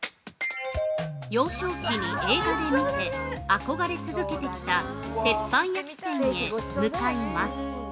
◆幼少期に映画で見て、憧れ続けてきた鉄板焼き店へ向かいます。